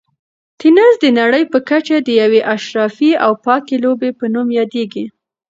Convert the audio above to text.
تېنس د نړۍ په کچه د یوې اشرافي او پاکې لوبې په نوم یادیږي.